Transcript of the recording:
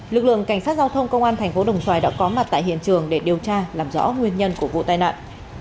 lực lượng cảnh sát giao thông công an thành phố đồng xoài đã có mặt tại hiện trường để điều tra làm rõ nguyên nhân của vụ tai nạn